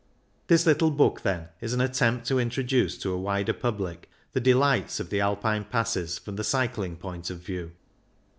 This little book, then, is an attempt to introduce to a wider public the delights of the Alpine Passes from the cycling point of view.